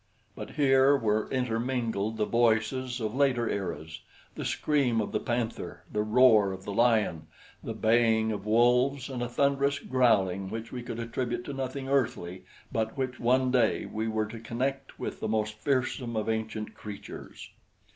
But here were intermingled the voices of later eras the scream of the panther, the roar of the lion, the baying of wolves and a thunderous growling which we could attribute to nothing earthly but which one day we were to connect with the most fearsome of ancient creatures.